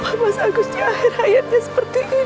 kenapa mas agus di akhir hayatnya seperti ini ya allah